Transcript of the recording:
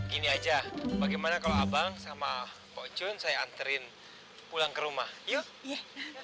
gini aja bagaimana kalo abang sama kocun saya antersin pulang ke rumah yuk